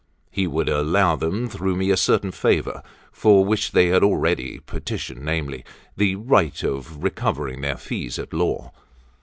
He would allow them through me a certain favour, for which they had already petitioned, namely, the right of recovering their fees at law.